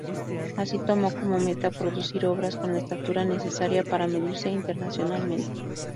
Así tomó como meta producir obras con la estatura necesaria para medirse internacionalmente.